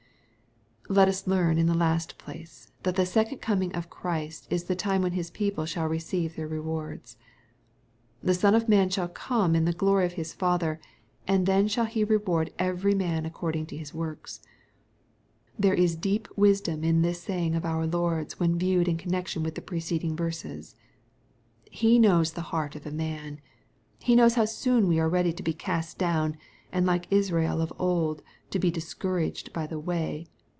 Let us learn, in the last place, that the second coming of Christ is the time when His people shaU receive their rewards. " The Son of Man shall come in the glory of His Father, and then shall he reward every man accord ing to his works." There is deep wisdom in this saying of our Lord's, when viewed in connection with the preceding verses. He knows the heart of a man. He knows how soon we are ready to be cast down, and like Israel of old to be ^' discour aged by the way."